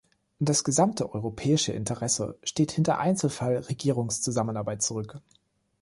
Das gesamte europäische Interesse steht hinter Einzelfall-Regierungszusammenarbeit zurück.